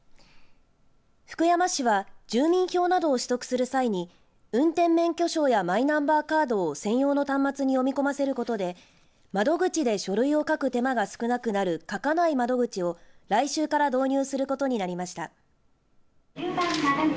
福山市は住民票などを取得する際に運転免許証やマイナンバーカードを専用の端末に読み込ませることで窓口で書類を書く手間が少なくなる書かない窓口を来週から導入することになりました。